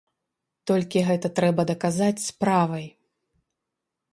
Толькі гэта трэба даказаць справай.